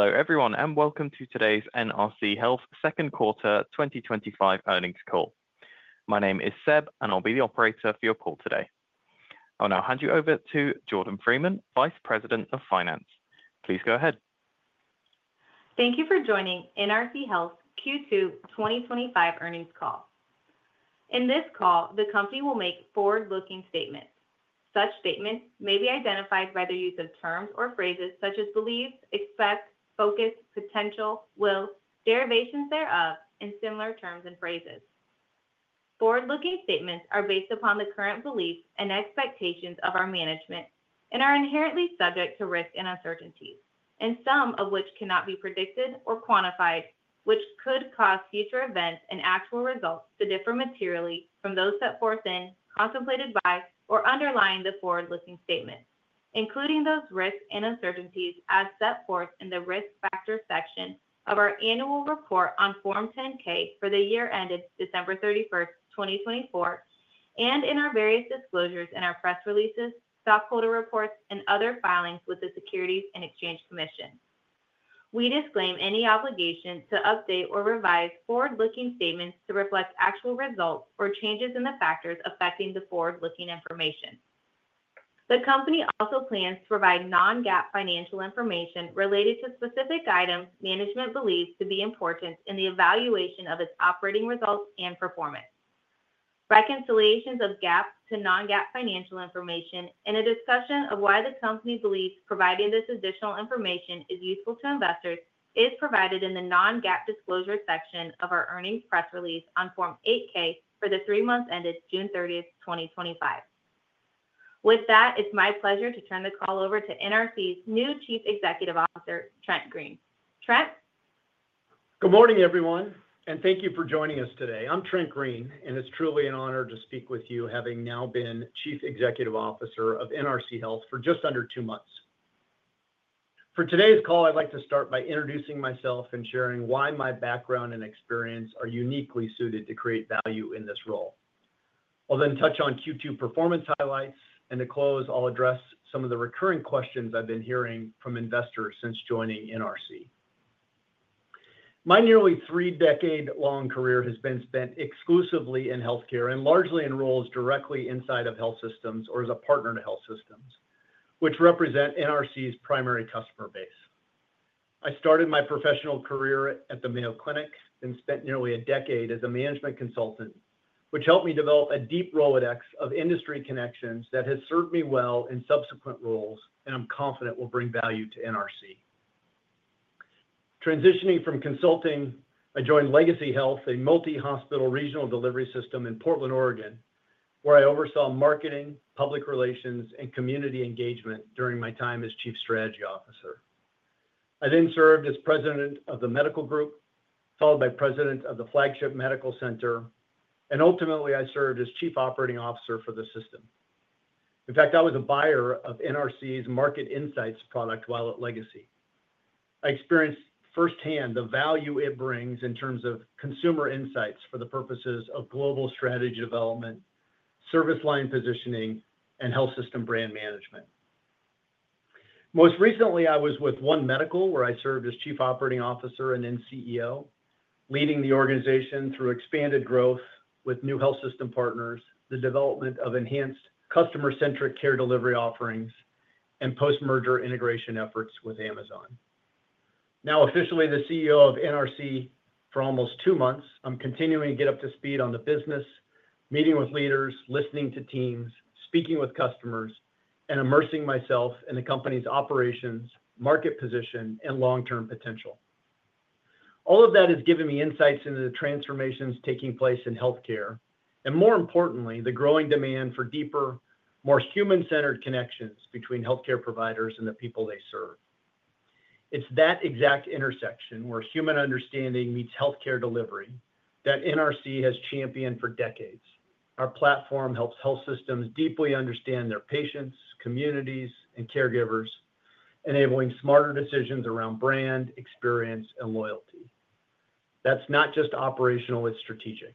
Hello everyone, and welcome to today's NRC Health Second Quarter 2025 Earnings Call. My name is Seb, and I'll be the operator for your call today. I'll now hand you over to Jordan Freeman, Vice President of Finance. Please go ahead. Thank you for joining NRC Health Q2 2025 Earnings Call. In this call, the company will make forward-looking statements. Such statements may be identified by the use of terms or phrases such as believe, expect, focus, potential, will, derivations thereof, and similar terms and phrases. Forward-looking statements are based upon the current beliefs and expectations of our management and are inherently subject to risks and uncertainties, some of which cannot be predicted or quantified, which could cause future events and actual results to differ materially from those set forth in, contemplated by, or underlying the forward-looking statements, including those risks and uncertainties as set forth in the Risk Factors section of our Annual Report on Form 10-K for the year ended December 31, 2024, and in our various disclosures in our press releases, stockholder reports, and other filings with the Securities and Exchange Commission. We disclaim any obligation to update or revise forward-looking statements to reflect actual results or changes in the factors affecting the forward-looking information. The company also plans to provide non-GAAP financial information related to specific items management believes to be important in the evaluation of its operating results and performance. Reconciliations of GAAP to non-GAAP financial information and a discussion of why the company believes providing this additional information is useful to investors is provided in the non-GAAP disclosure section of our earnings press release on Form 8-K for the three months ended June 30, 2025. With that, it's my pleasure to turn the call over to NRC Health's new Chief Executive Officer, Trent Green. Trent. Good morning, everyone, and thank you for joining us today. I'm Trent Green, and it's truly an honor to speak with you, having now been Chief Executive Officer of NRC Health for just under two months. For today's call, I'd like to start by introducing myself and sharing why my background and experience are uniquely suited to create value in this role. I'll then touch on Q2 performance highlights, and to close, I'll address some of the recurring questions I've been hearing from investors since joining NRC. My nearly three-decade-long career has been spent exclusively in healthcare and largely in roles directly inside of health systems or as a partner to health systems, which represent NRC's primary customer base. I started my professional career at the Mayo Clinic and spent nearly a decade as a management consultant, which helped me develop a deep Rolodex of industry connections that has served me well in subsequent roles, and I'm confident will bring value to NRC. Transitioning from consulting, I joined Legacy Health, a multi-hospital regional delivery system in the Pacific Northwest, where I oversaw marketing, public relations, and community engagement during my time as Chief Strategy Officer. I then served as President of the Medical Group, followed by President of the Flagship Medical Center, and ultimately I served as Chief Operating Officer for the system. In fact, I was a buyer of NRC's Market Insights product while at Legacy. I experienced firsthand the value it brings in terms of consumer insights for the purposes of global strategy development, service line positioning, and health system brand management. Most recently, I was with One Medical, where I served as Chief Operating Officer and then CEO, leading the organization through expanded growth with new health system partners, the development of enhanced customer-centric care delivery offerings, and post-merger integration efforts with Amazon. Now officially the CEO of NRC for almost two months, I'm continuing to get up to speed on the business, meeting with leaders, listening to teams, speaking with customers, and immersing myself in the company's operations, market position, and long-term potential. All of that has given me insights into the transformations taking place in healthcare, and more importantly, the growing demand for deeper, more human-centered connections between healthcare providers and the people they serve. It's that exact intersection where human understanding meets healthcare delivery that NRC has championed for decades. Our platform helps health systems deeply understand their patients, communities, and caregivers, enabling smarter decisions around brand, experience, and loyalty. That's not just operational, it's strategic.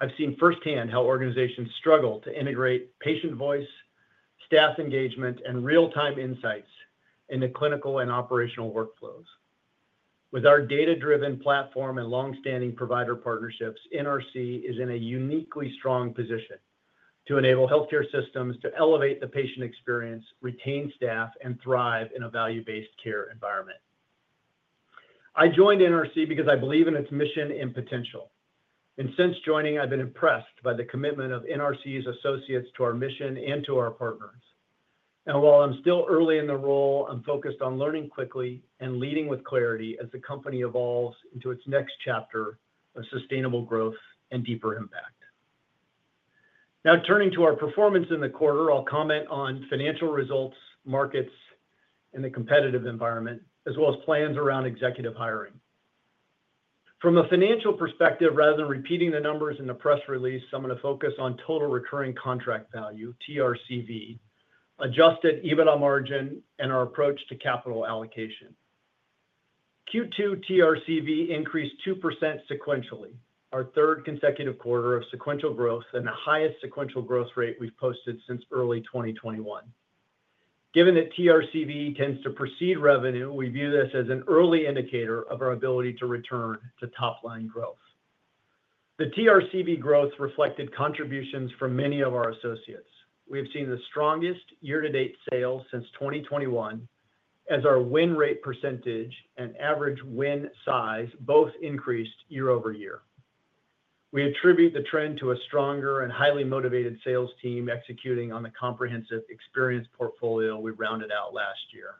I've seen firsthand how organizations struggle to integrate patient voice, staff engagement, and real-time insights in the clinical and operational workflows. With our data-driven platform and longstanding provider partnerships, NRC is in a uniquely strong position to enable healthcare systems to elevate the patient experience, retain staff, and thrive in a value-based care environment. I joined NRC because I believe in its mission and potential. Since joining, I've been impressed by the commitment of NRC's associates to our mission and to our partners. While I'm still early in the role, I'm focused on learning quickly and leading with clarity as the company evolves into its next chapter of sustainable growth and deeper impact. Now turning to our performance in the quarter, I'll comment on financial results, markets, and the competitive environment, as well as plans around executive hiring. From a financial perspective, rather than repeating the numbers in the press release, I'm going to focus on Total Recurring Contract Value, TRCV, Adjusted EBITDA margin, and our approach to capital allocation. Q2 TRCV increased 2% sequentially, our third consecutive quarter of sequential growth and the highest sequential growth rate we've posted since early 2021. Given that TRCV tends to precede revenue, we view this as an early indicator of our ability to return to top-line growth. The TRCV growth reflected contributions from many of our associates. We've seen the strongest year-to-date sales since 2021, as our win rate percentage and average win size both increased year-over-year. We attribute the trend to a stronger and highly motivated sales team executing on the comprehensive experience portfolio we rounded out last year.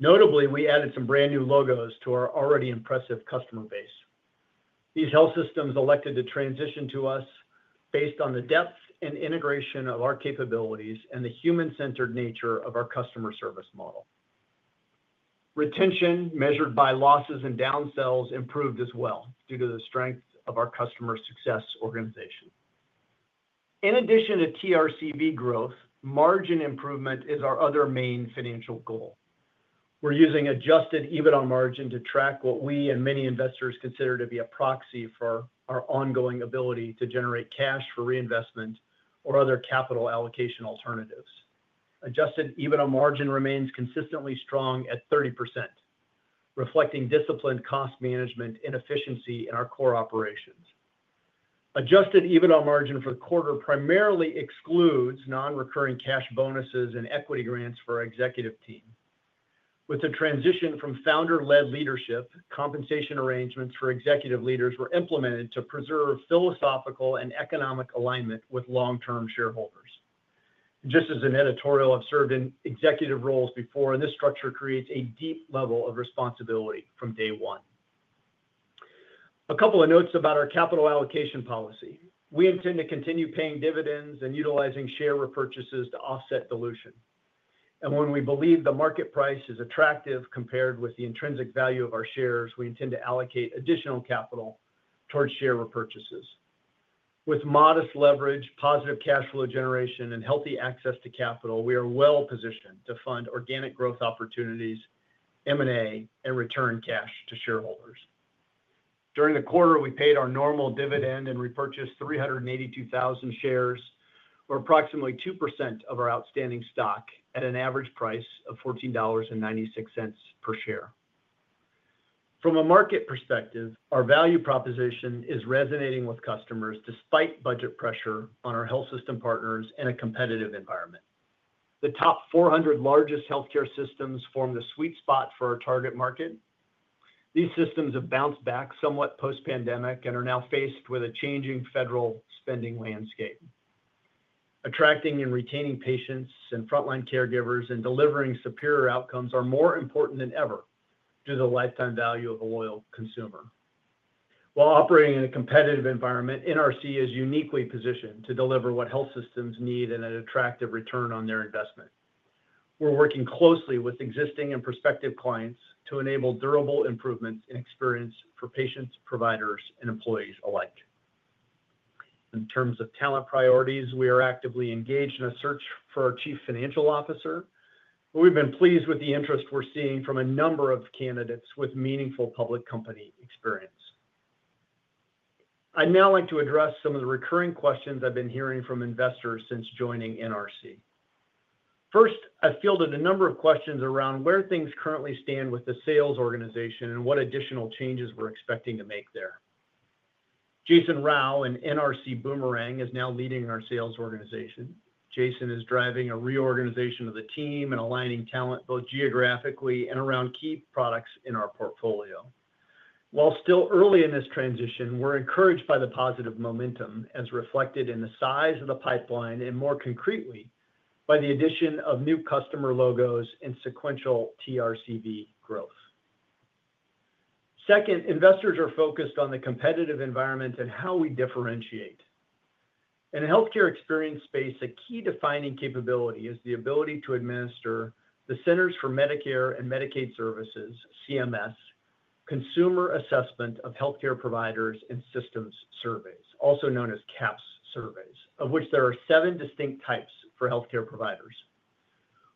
Notably, we added some brand-new logos to our already impressive customer base. These health systems elected to transition to us based on the depth and integration of our capabilities and the human-centered nature of our customer service model. Retention measured by losses and downsells improved as well due to the strength of our customer success organization. In addition to TRCV growth, margin improvement is our other main financial goal. We're using Adjusted EBITDA margin to track what we and many investors consider to be a proxy for our ongoing ability to generate cash for reinvestment or other capital allocation alternatives. Adjusted EBITDA margin remains consistently strong at 30%, reflecting disciplined cost management and efficiency in our core operations. Adjusted EBITDA margin for the quarter primarily excludes non-recurring cash bonuses and equity grants for our executive team. With a transition from founder-led leadership, compensation arrangements for executive leaders were implemented to preserve philosophical and economic alignment with long-term shareholders. Just as an editorial, I've served in executive roles before, and this structure creates a deep level of responsibility from day-one. A couple of notes about our capital allocation policy. We intend to continue paying dividends and utilizing share repurchases to offset dilution. When we believe the market price is attractive compared with the intrinsic value of our shares, we intend to allocate additional capital towards share repurchases. With modest leverage, positive-cash-flow generation, and healthy access to capital, we are well positioned to fund organic growth opportunities, M&A, and return cash to shareholders. During the quarter, we paid our normal dividend and repurchased 382,000 shares, or approximately 2% of our outstanding stock at an average price of $14.96 per share. From a market perspective, our value proposition is resonating with customers despite budget pressure on our health system partners in a competitive environment. The top 400 largest healthcare systems form the sweet spot for our target market. These systems have bounced back somewhat post-pandemic and are now faced with a changing federal spending landscape. Attracting and retaining patients and front-line caregivers and delivering superior outcomes are more important than ever due to the life-time value of a loyal consumer. While operating in a competitive environment, NRC Health is uniquely positioned to deliver what health systems need and an attractive return on their investment. We're working closely with existing and prospective clients to enable durable improvements in experience for patients, providers, and employees alike. In terms of talent priorities, we are actively engaged in a search for our Chief Financial Officer, but we've been pleased with the interest we're seeing from a number of candidates with meaningful public company experience. I'd now like to address some of the recurring questions I've been hearing from investors since joining NRC. First, I fielded a number of questions around where things currently stand with the sales organization and what additional changes we're expecting to make there. Jason Rao, an NRC Boomerang, is now leading our sales organization. Jason is driving a reorganization of the team and aligning talent both geographically and around key products in our portfolio. While still early in this transition, we're encouraged by the positive momentum as reflected in the size of the pipeline and more concretely by the addition of new customer logos and sequential TRCV growth. Second, investors are focused on the competitive environment and how we differentiate. In a healthcare-experience space, a key defining capability is the ability to administer the Centers for Medicare & Medicaid Services, CMS, Consumer Assessment of Healthcare Providers and Systems surveys, also known as CAHPS surveys, of which there are seven distinct types for healthcare providers.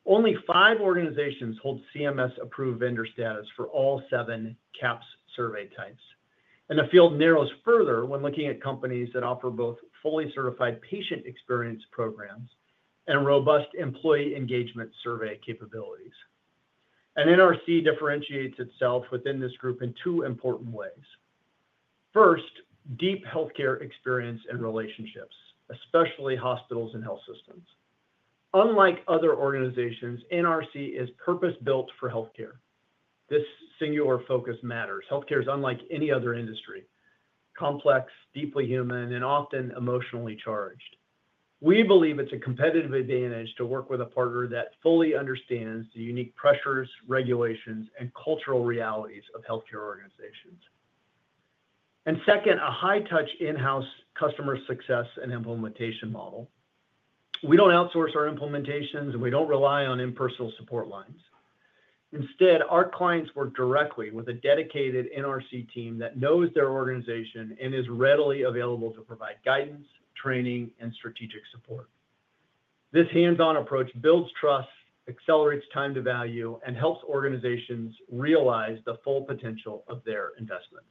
Only five organizations hold CMS-approved vendor status for all seven CAHPS survey types. The field narrows further when looking at companies that offer both fully-certified patient experience programs and robust employee-engagement survey capabilities. NRC differentiates itself within this group in two important ways. First, deep healthcare experience and relationships, especially hospitals and health systems. Unlike other organizations, NRC is purpose-built for healthcare. This singular focus matters. Healthcare is unlike any other industry: complex, deeply human, and often emotionally charged. We believe it's a competitive advantage to work with a partner that fully understands the unique pressures, regulations, and cultural realities of healthcare organizations. Second, a high-touch in-house customer success and implementation model. We don't outsource our implementations, and we don't rely on impersonal support lines. Instead, our clients work directly with a dedicated NRC team that knows their organization and is readily available to provide guidance, training, and strategic support. This hands-on approach builds trust, accelerates time-to-value, and helps organizations realize the full potential of their investments.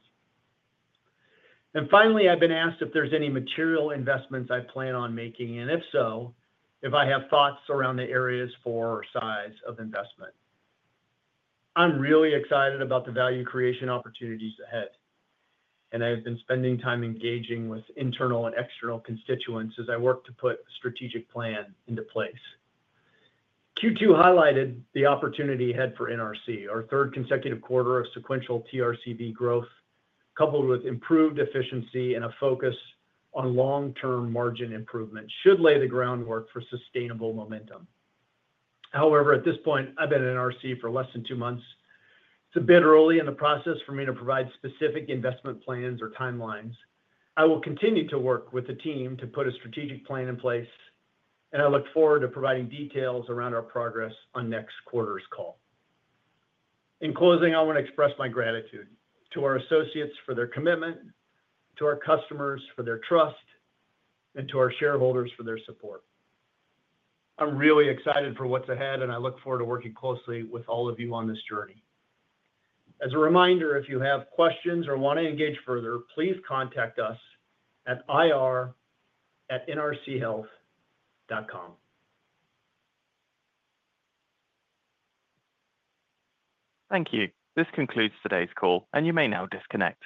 Finally, I've been asked if there's any material investments I plan on making, and if so, if I have thoughts around the areas for or size of investment. I'm really excited about the value creation opportunities ahead. I've been spending time engaging with internal and external constituents as I work to put a strategic plan into place. Q2 highlighted the opportunity ahead for NRC Health. Our third consecutive quarter of sequential TRCV growth, coupled with improved efficiency and a focus on long-term margin improvement, should lay the groundwork for sustainable momentum. However, at this point, I've been at NRC Health for less than two months. It's a bit early in the process for me to provide specific investment plans or timelines. I will continue to work with the team to put a strategic plan in place, and I look forward to providing details around our progress on next quarter's call. In closing, I want to express my gratitude to our associates for their commitment, to our customers for their trust, and to our shareholders for their support. I'm really excited for what's ahead, and I look forward to working closely with all of you on this journey. As a reminder, if you have questions or want to engage further, please contact us at ir@nrchealth.com. Thank you. This concludes today's call, and you may now disconnect.